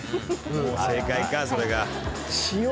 もう正解かそれが。